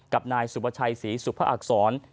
กับนายสุประชัยศรีสุภอักษร